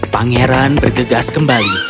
pangeran bergegas kembali